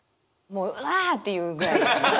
もう「わぁ」っていうぐらい。